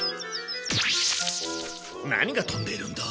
何がとんでいるんだ？